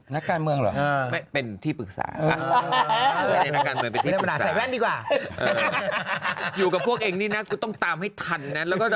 นักการเมืองหรอเป็นที่ปรึกษาอยู่กับพวกเองนี่นะก็ต้องตามให้ทันแล้วก็